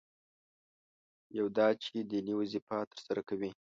یو دا چې دیني وظیفه ترسره کوي.